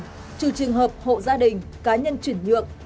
trừ trường hợp hộ gia đình cá nhân chuyển nhượng